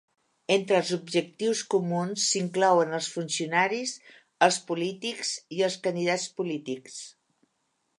Entre els objectius comuns s'inclouen els funcionaris, els polítics i els candidats polítics.